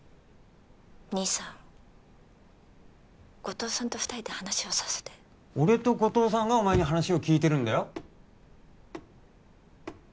兄さん後藤さんと二人で話をさせて俺と後藤さんがお前に話を聞いてるんだよ